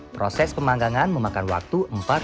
proses pemanggangan memakan waktu empat puluh lima menit